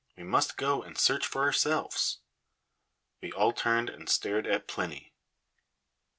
We must go and search for ourselves." We all turned and stared at Plinny.